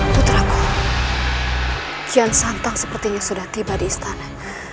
puter aku kian santang sepertinya sudah tiba di istana